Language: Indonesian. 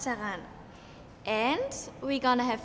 dan kita akan makan malam